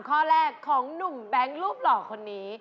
ข้อแรกของหนุ่มแบงค์รูปหล่อคนนี้